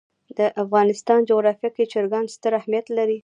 د افغانستان جغرافیه کې چرګان ستر اهمیت لري.